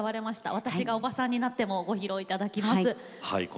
「私がオバさんになっても」を歌っていただきます。